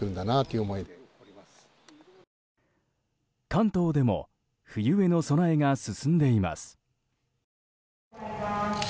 関東でも冬への備えが進んでいます。